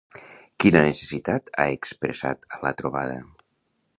Quina necessitat ha expressat a la trobada?